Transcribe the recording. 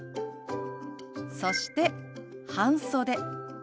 そして「半袖」。